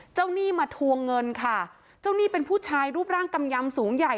หนี้มาทวงเงินค่ะเจ้าหนี้เป็นผู้ชายรูปร่างกำยำสูงใหญ่